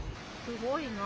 すごいな。